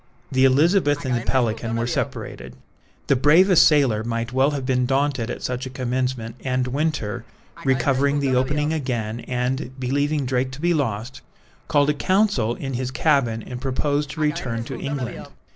The Elizabeth and the Pelican were separated. The bravest sailor might well have been daunted at such a commencement, and Winter, recovering the opening again and, believing Drake to be lost, called a council in his cabin and proposed to return to England.